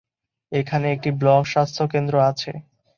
এখানে একটি ব্লক স্বাস্থ্যকেন্দ্র আছে।